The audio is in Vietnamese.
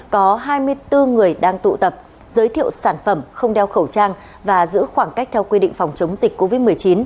có hai mươi bốn người đang tụ tập giới thiệu sản phẩm không đeo khẩu trang và giữ khoảng cách theo quy định phòng chống dịch covid một mươi chín